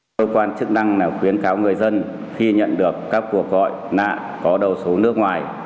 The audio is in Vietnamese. cơ quan chức năng khuyến cáo người dân khi nhận được các cuộc gọi nạ có đầu số nước ngoài